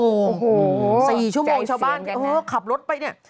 โอ้โหใจเสียงจังนะสี่ชั่วโมงชาวบ้านขับรถไปนี่